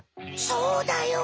そうだよ。